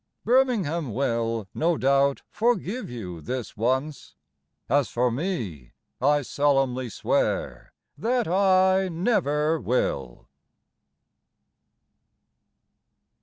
Birmingham will, no doubt, forgive you this once: As for me, I solemnly swear that I never will.